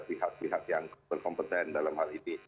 pihak pihak yang berkompeten dalam hal ini